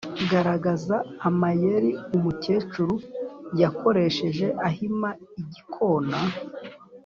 garagaza amayeri umukecuru yakoresheje ahima igikona.